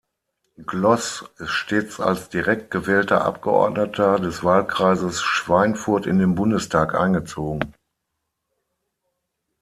Glos ist stets als direkt gewählter Abgeordneter des Wahlkreises Schweinfurt in den Bundestag eingezogen.